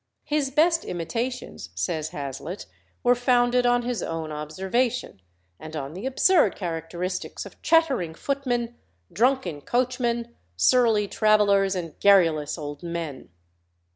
"His best imitations," says Hazlitt, "were founded on his own observation, and on the absurd characteristics of chattering footmen, drunken coachmen, surly travellers, and garrulous old men.